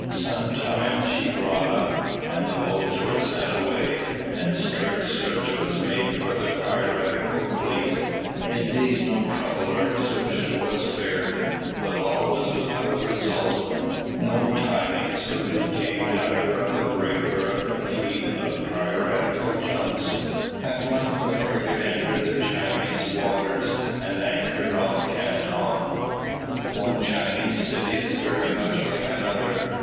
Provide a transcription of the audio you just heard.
Sometimes she brought up, and the boats were sent away, and strict search was made for the piratical fleet; indeed no trouble or exertion was spared, but all was without result. No tidings could be gained either of the brig or the fleet of piratical junks. At length the frigate entered the Chinese waters, and anchored off Canton. One Chinese city is very much like another.